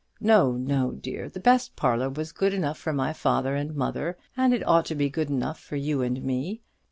No, no, dear; the best parlour was good enough for my father and mother, and it ought to be good enough for you and me.